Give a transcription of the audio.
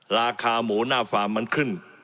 ราคาหมูหน้าฟาร์มมันขึ้น